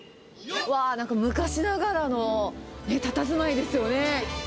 わー、なんか昔ながらのたたずまいですよね。